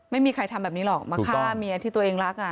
ไม่มีใครทำแบบนี้หรอกมาฆ่าเมียที่ตัวเองรัก